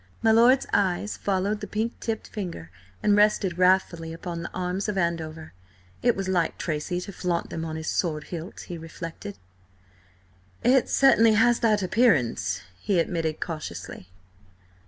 My lord's eyes followed the pink tipped finger and rested wrathfully upon the arms of Andover. It was like Tracy to flaunt them on his sword hilt, he reflected. "It certainly has that appearance," he admitted cautiously.